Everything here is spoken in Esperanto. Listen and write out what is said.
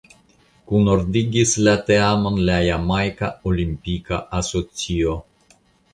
Kunordigis la teamon la "Jamajka Olimpika Asocio".